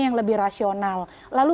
yang lebih rasional lalu